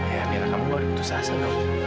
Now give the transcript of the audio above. ya amira kamu gak ada putus asa lho